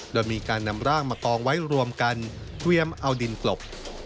โดยมีการนำร่างมากองไว้รวมกันเตรียมเอาดินกลบ